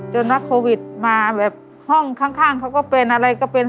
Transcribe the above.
นักโควิดมาแบบห้องข้างเขาก็เป็นอะไรก็เป็น